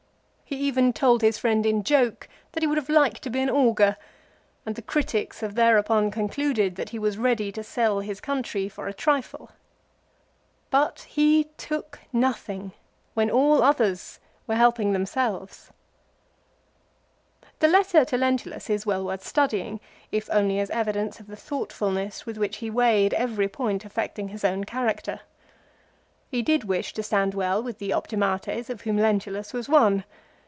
He even told his friend in joke that he would have liked to be an augur, and the critics have thereupon concluded that he was ready to sell his country for a trifle. But he took nothing, when all others were helping themselves. The letter to Lentulus is well worth studying, if only as evidence of the thoughtfulness with which he weighed every point affecting his own character. He did wish to stand well with the " optimates " of whom Lentulus was one.